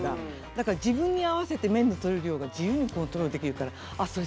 だから自分に合わせて麺の取れる量が自由にコントロールできるからあっそれ